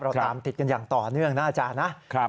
ตามติดกันอย่างต่อเนื่องนะอาจารย์นะ